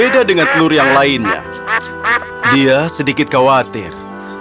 dia sedikit khawatir